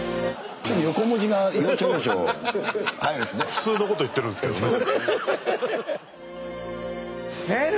普通のこと言ってるんですけどね。